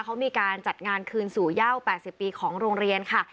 เขามีการจัดงานคืนสู่เย่า๘๐ปีของโรงเรียนค่ะ